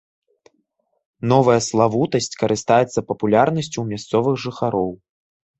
Новая славутасць карыстаецца папулярнасцю ў мясцовых жыхароў.